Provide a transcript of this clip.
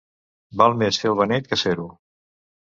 Val més fer el beneit que ser-ho.